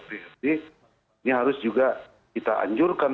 jadi ini harus juga kita anjurkan